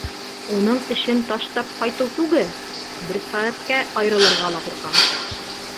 Унын эшен таштап ҡайтыу түге, бер сәғәткә айырылырға ла ҡурҡам.